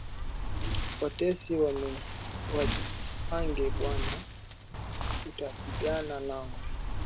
Watesi wajipange, bwana utapigana nao.